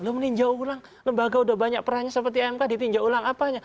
lo meninjau ulang lembaga udah banyak perannya seperti mk ditinjau ulang apanya